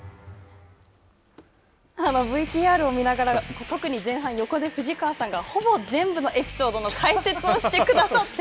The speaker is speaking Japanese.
ＶＴＲを見ながら、特に前半、横で藤川さんがほぼ全部のエピソードの解説をしてくださって。